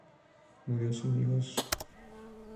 Murió sin hijos.